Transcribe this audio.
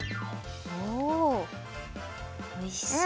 おおいしそう。